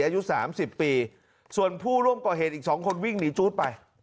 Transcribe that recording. อายุสามสิบปีส่วนผู้ร่วมก่อเหตุอีก๒คนวิ่งหนีจู๊ดไป